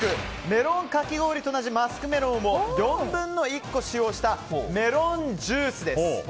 メロンかき氷と同じマスクメロンを４分の１個使用したメロンジュースです。